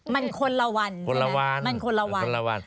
มันคนละวันมันคนละวัน